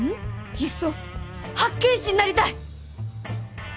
いっそ八犬士になりたい！